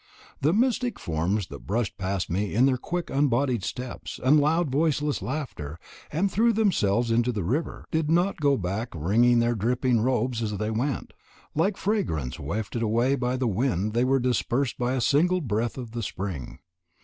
The mystic forms that brushed past me with their quick unbodied steps, and loud, voiceless laughter, and threw themselves into the river, did not go back wringing their dripping robes as they went. Like fragrance wafted away by the wind they were dispersed by a single breath of the spring.